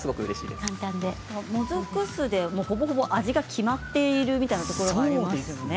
もずく酢でほぼほぼ味が決まっているみたいなところがありますね。